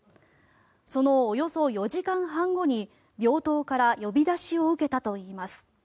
そのおよそ４時間半後に病棟から呼び出しを受けたといいます。